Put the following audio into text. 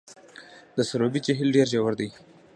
د سروبي جهیل ډیر ژور دی